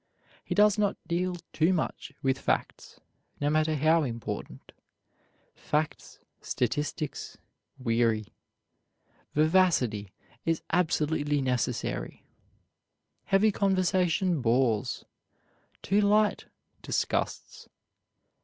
He does not deal too much with facts, no matter how important. Facts, statistics, weary. Vivacity is absolutely necessary. Heavy conversation bores; too light, disgusts.